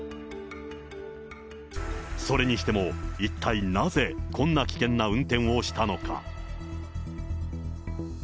それにしても、一体なぜこんな危険な運転をしたのか。